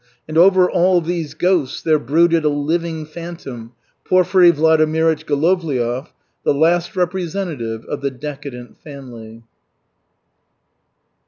And over all these ghosts there brooded a living phantom, Porfiry Vladimirych Golovliov, the last representative of the decadent family.